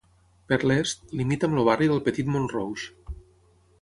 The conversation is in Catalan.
Per l'est, limita amb el barri del Petit-Montrouge.